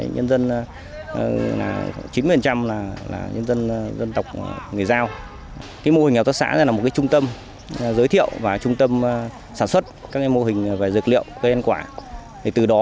nhân dân chín mươi là nhân dân dân tộc người giao